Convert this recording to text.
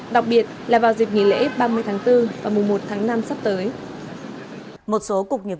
đặc biệt là vào dịp nghỉ lễ ba mươi tháng bốn và mùa một tháng năm sắp tới